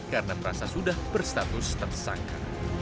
karena merasa sudah berstatus tersangka